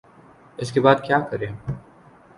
اس کے بعد کیا کریں؟